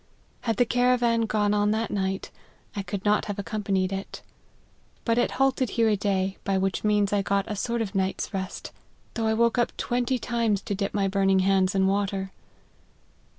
Had the caravan gone on that night, I could not have accompanied it ; but it halted here a day, by which means I got a sort of night's rest, though I woke twenty times LIFE OF HENRY MARTYN. 141 to dip my burning" hands in water.